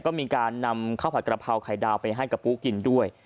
ก็มีการนำข้าวผัดกระเพราไข่ดาวไปให้กับปุ๊กินด้วย